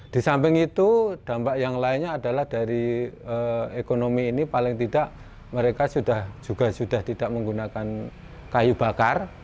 di samping itu dampak yang lainnya adalah dari ekonomi ini paling tidak mereka juga sudah tidak menggunakan kayu bakar